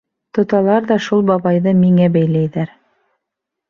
Тоталар ҙа шул бабайҙы миңә бәйләйҙәр!